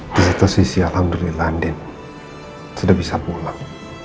di situ sisi alam dari ilandin sudah bisa pulang